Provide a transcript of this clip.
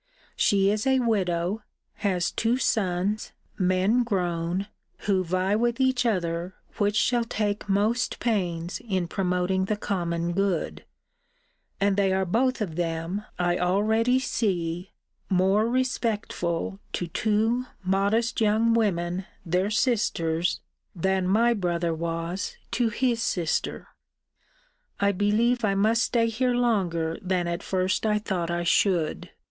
She is a widow; has two sons, men grown, who vie with each other which shall take most pains in promoting the common good; and they are both of them, I already see, more respectful to two modest young women their sisters, than my brother was to his sister. I believe I must stay here longer than at first I thought I should.